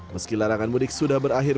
meski larangan mudik sudah berakhir